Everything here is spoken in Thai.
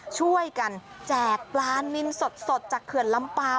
ช่วยกันแจกปลานินสดจากเขื่อนลำปาง